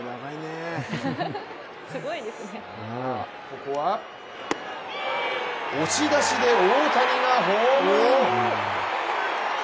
ここは押し出しで大谷がホームイン。